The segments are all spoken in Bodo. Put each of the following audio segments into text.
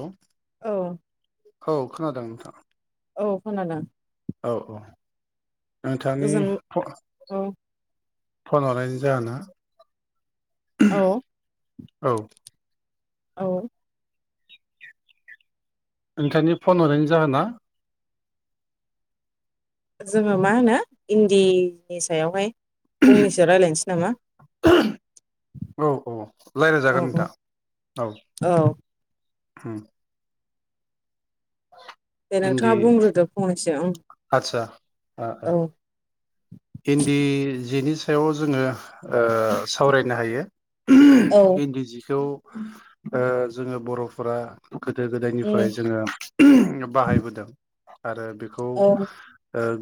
औ औ औ खोनादों नोंथां। औ खोनादों। औ औ गोजोन नोंथांथ। औ फन हरायनाय जाहोना। औ। औ। औ। नोंथांनि फन हरनायनि जाहोना। जोङो मा होनो इन्दिनि सायावहाय। फंनैसो रायलायसै नामा। औ औ औ रायज्लायजागोन औ नोंथां औ। औ उम। दे नोंथाङा बुंग्रोदो फंनैसो ओं। आतसा ओ ओ। इिन्दि जिनि सायाव जोङो सावरायनो हायो। औ इन्दि जिखौ जोङो बर'फोरा। गोदो गोदायनिफ्राय उम जोङो बाहायबोदों। आरो बेखौ औ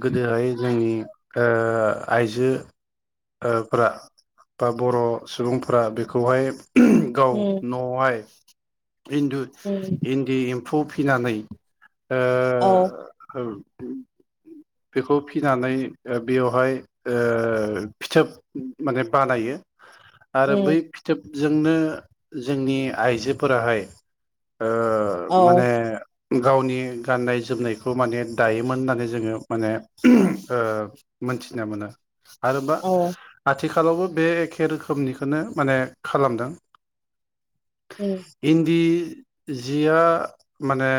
गोदोहाय जोंनि। आइजो। फोरा बा बर' सुबुंफ्रा बेखौहाय। गाव उम न'आवहाय। इन्दु उम इन्दि एम्फौ फिनानै ओ। औ बेखौ फिनानै बेवहाय ओ। फिथोब माने बानायो आरो बै उम फिथोब। जोंनो जोंनि आइजोफोराहाय ओ औ माने। गावनि गाननाय जोमनायखौ माने दायोमोन होननानै जोङो माने ओ। मोनथिनो मोनो आरो। औ। आथिखालावबो बे एखे रोखोमनिखौनो माने खालामदों। उम इन्दि। जिया माने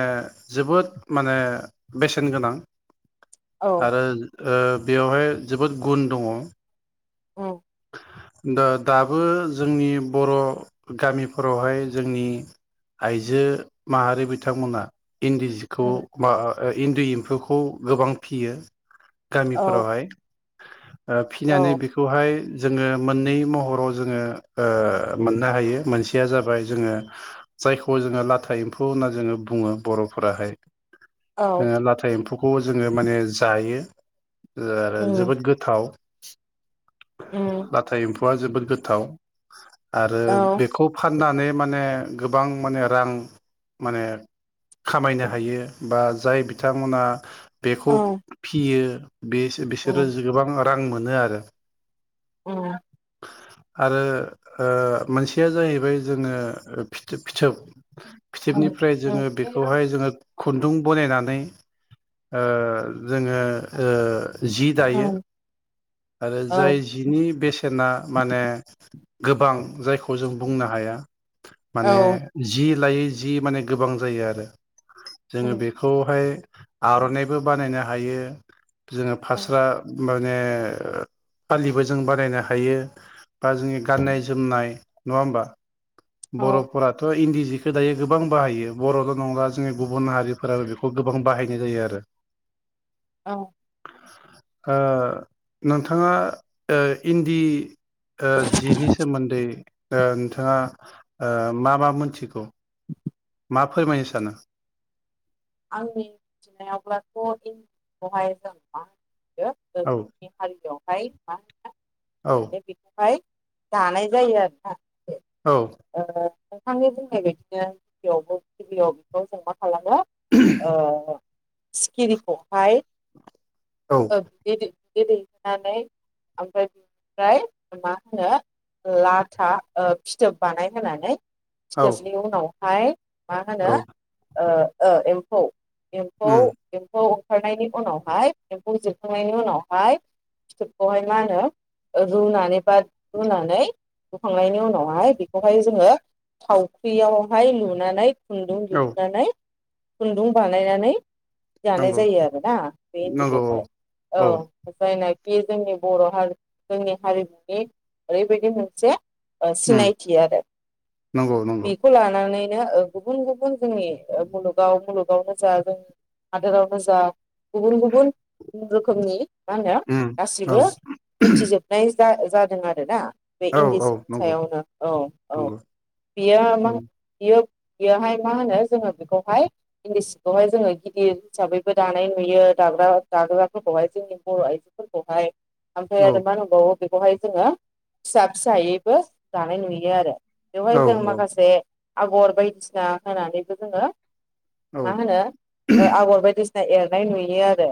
जोबोद माने बेसेन गोनां। औ आरो बेवहाय जोबोद गुन दङ। औ। दा दाबो जोंनि बर' गामिफोरावहाय जोंनि। आइजो माहारि बिथांमोना। इन्दि जिखौ उम बा इन्दि एम्फौखौ गोबां फियो। औ गामिफोरावहाय। फिनानै औ बेखौहाय। जोङो मोननै महराव जोङो मोननो हायो मोनसेया जाबाय जोङो जायखौ जोङो लाथा एम्फौ होनना जोङो बुङो बर'फोराहाय। औ लाथा एम्फौखौ जोङो माने जायो। आरो उम जोबोद गोथाव। उम लाथा एम्फौआ जोबोद गोथाव आरो औ बेखौ फा। फाननानै माने गोबां माने रां माने खामायनो हायो बा जाय बिथांमोना औ बेखौ उम फियो बे बिसोरो उम गोबां रां मोनो आरो। औ आरो ओ मोनसेया जाहैबाय जोङो फिथोब फिथोब फिथोबनिफ्राय उम जोङो बेखौहाय उम जोङो खुन्दुं बानायनानै नै ओ जोङो ओ जि दायो आरो औ जाय जिनि बेसेना माने गोबां जायखौ जों बुंनो हाया माने औ जि लायै जि माने गोबां जायो आरो जोङो उम बेखौहाय आर'नाइबो बानायनो हायो जोङो उम फास्रा माने फालिबो जों बानायनो हायो बा जोंनि गाननाय जोमनाय नङा होमबा। औ बर'फोराथ' इन्दि बिखो दायो गोबां बाहायो बर'ल' नंला जोंनि गुबुन हारिफोराबो बेखौ गोबां बाहायनाय जायो आरो। औ ओ नोंथाङा इन्दि ओ जिनि सोमोन्दै नोंथाङा ओ मा मा मोनथिगौ? मा फोरमायनो सानो? आंनि मिथिनायावब्लाथ' इन्दि जिखौहाय जों मा औ जोंनि हारियावहाय मा होनो औ माने बेखौहाय दानाय जायो आरोना औ खो ओ नोंथांनि बुंनाय बायदिनो गिबियावबो गिबियावबो जों मा खालामो ओ सिखिरिखौहाय औ ओ बिद दै बिदै दैनानै ओमफ्राय बिनिफ्राय मा होनो लाथा ओ फिथोब बानायहोनानै औ फिथोबनि उनावहाय मा होनो औ ओ ओ एम्फौ एम्फौ उम एम्फौ ओंखारनायनि उनावहाय एम्फौ जोबखांनायनि उनावहाय फिथोबखौहाय मा होनो रुनानै बा रुनानै रुखांनायनि उनावहाय बेखौहाय जोङो थावख्रियावहाय लुनानै खुन्दुं औ दिहुननानै खुन्दुं बानायनानै जानाय नंगौ जायो आरोना बे नंगौ औ इन्दिखौहाय औ ओमफ्राय बेयो जोंनि बर' हारि जोंनि हारिमुनि ओरैबायदि मोनसे उम सिनायथि आरो नंगौ नंगौ बेखौ लानानैनो गुबुन गुबुन जोंनि मुलुग मुलुगावनो जा जोंनि हादोरावनो जा गुबुन गुबुन रोखोमनि मा होनो उम औ गासिबो मिथिजोबनाय जा जादों आरोना। बे औ इन्दि औ सिनि नंगौ सायावनो औ औ नंगौ बियो मा उम बियो बेयोहाय मा होनो जोङो बेखौहाय इन्दि सिखौहाय जोङो गिदिर हिसाबैबो दानाय नुयो दाग्रा दाग्राफोरखौहाय जोंनि बर' फोरखौहाय ओमफ्राय औ आरो मा होनबावो बेखौहाय जोङो फिसा फिसायैबो दानाय नुयो आरो। बेवहाय औ जों औ माखासे आगर बायदिसिना होनानैबो जोङो औ मा होनो आगर ओ बायदिसिना एरनाय नुयो आरो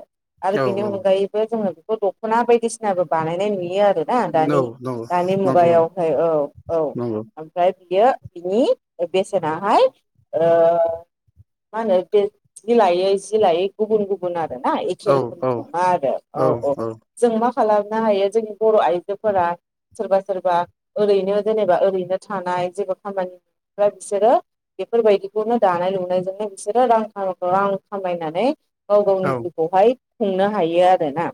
आरो बेनि अनगायैबो जोङो बेखौ दख'ना बायदिसिनाबो बानायनाय नुयो आरो ना नंगौ दानि नंगौ मुगायावहाय औ औ नंगौ ओमफ्राय बियो बिनि बेसेनाहाय ओ मा होनो बे जि लायै जि लायै गुबुन गुबुन आरो आरो ना एखे औ रोखोमनि औ नङा आरो औ औ जों मा खालामनो हायो जोंनि बर' आइजोफोरा सोरबा सोरबा ओरैनो जेनेबा ओरैनो थानाय जेबो खामानि माव्रा बिसोरो बेफोरबायायदिखौनो दानाय लुनायजों आरो बिसोरो रां ख रां खामायनानै गाव गावनि औ जिउखौहाय खुंनो हायो आरोना।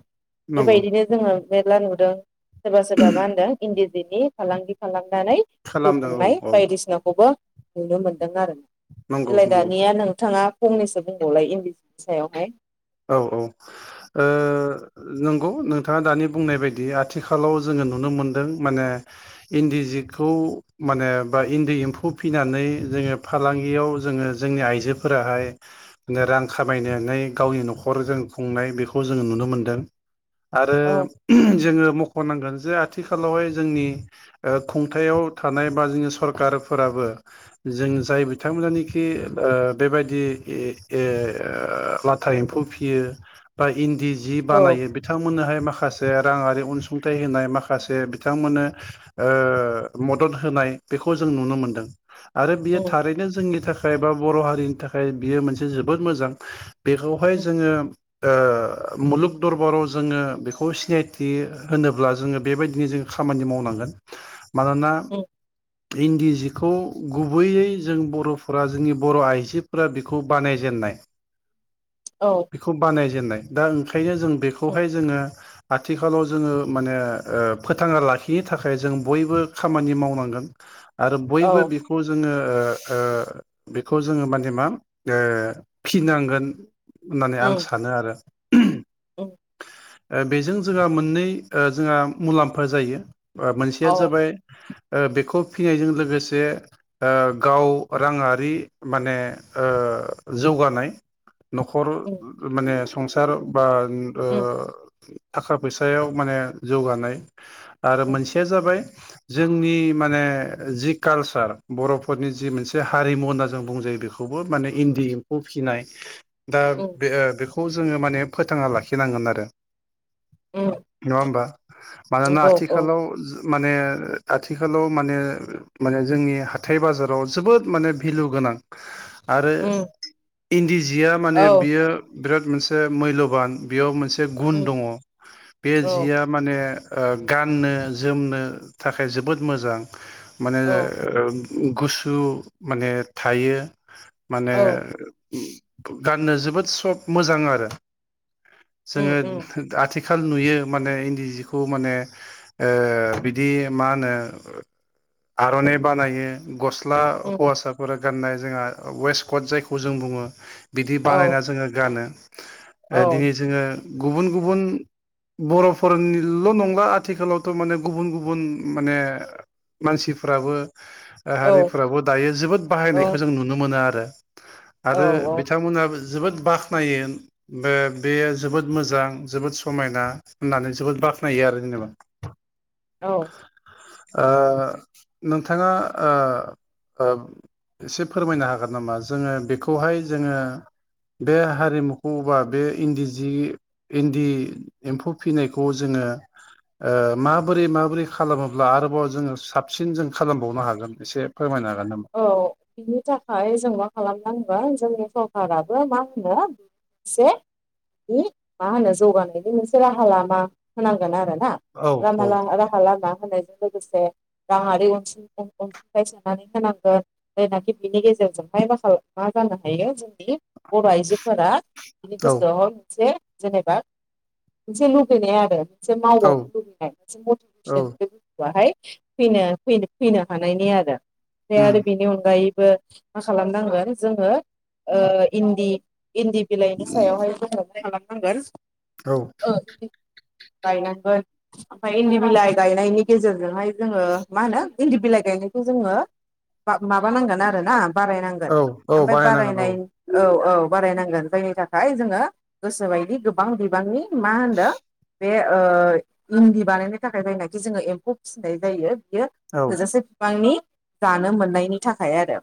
नंगौ बेबायदिनो जोङो मेरला नुदों सोरबा सोरबा मा होनदों इन्दि जिनि फालांगि फालां नानै जिउ खालामदों खुंनाय औ बायदिसिनाखौबो नुनो मोनदों आरो नंगौ नंगौ [unintelligible] दा नोंथाङा फंनैसो बुंबावलाय इन्दिसनि सायावहाय। औ औ ओ नंगौ नोंथाङा दानि बुंनाय बायदि आथिखालाव जोङो नुनो मोनदों माने इन्दि जिखौ माने बा इन्दि एम्फौ फिसिनानै जोङो फालांगियाव जोङो जोंनि आइजोफोराहाय रां खामायनानै गावनि न' खर जों खुंनाय बेखौ जोङो नुनो मोनदों औ आरो जोङो होननांगोन जे आथिखालावहाय जोंनि ओ खुंथायाव थानाय बा जोंनि सरकारफोराबो जों जाय बिथांमोनानोखि ओ बेबायदि ओ था एम्फौ फियो बा इन्दि जि औ बानायो बिथांमोननोहाय माखासे माखासे राङारि अनसुंथाइ होनाय माखासे बिथांमोननो ओ मदद होनाय बेखौ जों नुनो मोनदों आरो बियो उम थारैनो जोंनि थाखाय थाखाय बा बर' हारिनि थाखाय बियो मोनसे जोबोद मोजां बेखौहाय उम जोङो ओ मुलुग दरबाराव जोङो बेखौ सिनायथि होनोब्ला जोङो बेबायदिनो जों खामानि मावनांगोन मानोना उम इन्दि जि बेखौ गुबैयै जों बर'फोरा जोंनि बर' आइजोफोरा बेखौ बानायजेननाय औ बेखौ बानायजेननाय दा ओंखायनो जों उम बेखौहाय जोङो आथिखालाव जोङो माने फोथाङा लाखिनो थाखाय जों बयबो खामानि मावनांगोन आरो औ बयबो बेखौ जोङो ओ ओ बेखौ जोङो माने मा फिनांगोन होननानै आं उम सानो आरो उम ओ बेजों ओ जोंहा मोननै जोंहा मुलाम्फा जायो। ओ मोनसेया औ जाबाय ओ बेखौ फिनायजों लोगोसे ओ गाव राङारि माने ओ ओ जौगानाय न'खर उम माने संसार बा उम ओ थाखा फैसायाव माने जौगानाय आरो उम मोनसेया जाबाय जोंनि माने जि कालसार बर'फोरनि जि मोनसे हारिमु होनना जों बुं बेखौबो माने इन्दि एम्फौ फिसिनाय दा उम बे ओ बेखौ जोङो माने फोथांना लाखिनांगोन आरो। उम नङा होमबा? मानोना नंगौ औ आथिखालाव माने आथिखालाव माने माने जोंनि हाथाइ बाजाराव जोबोद माने भेलु गोन नां आरो उम इन्दि जिया माने औ बियो बिराद मोनसे मुल्यबान बेयाव मोन से गुन उम दङ बे औ जिया माने ओ गाननो जोमनो थाखाय जोबोद मोजां माने औ ओ गुसु माने थायो माने औ गाननो जोबोद सफ मोजां आरो उम जोङो उम आथि खाल नुयो माने इन्दि जिखौ माने ओ बिदि मा होनो आर'नाइ बानायो गस स्ला उम हौवासाफोरा गाननाय जोंहा वेस्ट कट जायखौ जों बुङो बिदि औ बानायना जोङो गानो औ ओ औ दिनै जोङो गुबुन गुबुन बर'फोरनिल' नंला आथिखालावथ' माने गुबुन गुबुन माने मानसिफ्राबो औ हारिफोराबो दायो जोबोद बाहायनायखौ जों नुनो मोनो आरो। औ आरो औ बिथांमोनाबो जोबोद बाख्नायो बे बेयो जोबोद मोजां जोबोद समायना होननानै जोबोद बाख्नायो आरो जेनेबा। औ ओ नोंथाङा ओ ओ एसे फोरमायनो हागोन नामा जोङो बेखौहाय जोङो बे हारिमुखौ अबा बे इन्दि जि इन्दि एम्फौ फिसिनायखौ जोङो ओ माबोरै माबोरै खालामोब्ला आरोबाव जोङो साबसिन जों खालामबावनो हागोन एसे फोरमायनो हागोन नामा? औ बिनि थाखाय जों मा खालामनांगौ ओ जोंनि सरखाराबो मा होनो एसे नि मा होनो जौगानायनि मोनसे राहा लामा होनांगोन आरो ना औ औ रामला राहला ला होनजों लोगोसे राङारि अनसुंथाइ सोनानै होनांगौ जायनाखि बिनि गेजेरजोंहाय माखा मा जानो हायो जोंनि बर आइजोफोरा बिनि औ गोसोआवहाय मोनसे जेनेबा मोनसे लुबैनाया आरो मोनसे औ मावावनो लुबैनाय मोनसे औ मटिभेसन गोथुआाहाय फैनो फैनो हानायनि आरो ओमफ्राय उम आरो बेनि अनगायै ओ मा खालामनांगोन जोङो ओ इन्दि इन्दि बिलाइनि सायावहाय जोङोहाय औ खालामालांनांगोन गायनांगोन ओमफ्राय इन्दि बिलाइ गायनायनि गेजेरजोंहाय जोङो मा होनो इन्दि बिलाइ गाय गायनायखौ जोङो माबानांगोन आरो ना बारायनांगोन औ औ ओमफ्राय बानायनांगोन बारायनाय औ औ बारायनांगोन जायनि थाखाय जोङो गोसोबायदि गोबां बिबांनि मा होनो बे ओ इन्दि बानायनो थाखाय जायनाखि जोङो एम्फौ फिसिनाय जायो बियो औ थोजासे बिफांनि जानो मोननायनि थाखाय आरो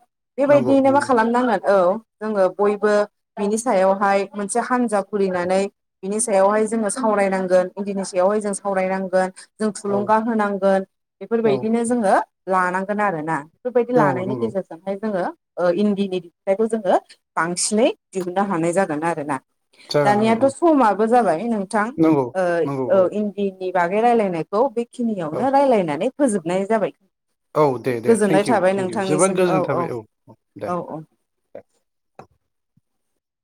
नंगौ बेबायदियैनो मा नंगौ खालामनांगोन औ जोङो बयबो बिनि सायावहाय मोनसे हानजा खुलिनानै बिनि सायावहाय जोङो सावरायनांगोन इन्दिनि सायावहाय जों सावरायनांगोन जों औ थुलुंगा होनांगोन औ बेफोरबायदिनो जोङो लानांगोन आरोना बेफोरबायदि नंगौ लानायनि नंगौ गेजेरजोंहाय जोङो ओ इन्दिनि फिथाइखौ जोङो बांसिनै दिहुननो हानाय जागोन आरो ना जागोन औ दानियाथ औ समाबो जाबाय नोंथां नंगौ ओ नंगौ औ इन्दि नि बागै रायलायनायखौ औ बेखिनियावनो रायलायनानै फोजोबनाय जाबाय औ दे दे गोजोननाय थेंकिउ थाबाय थेंकिउ जोबोद नोंथांनिसिम गोजोन्नाय थाबाय औ औ दे दे